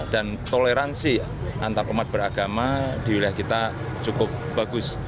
dan toleransi antar umat beragama di wilayah kita cukup bagus